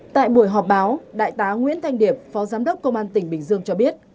tại buổi họp báo đại tá nguyễn thanh điệp phó giám đốc công an tỉnh bình dương cho biết